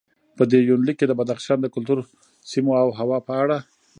په دې یونلیک کې د بدخشان د کلتور، سیمو او هوا په اړه